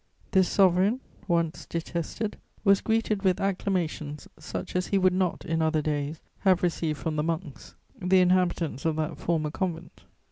This sovereign, once detested, was greeted with acclamations such as he would not, in other days, have received from the monks, the inhabitants of that former convent.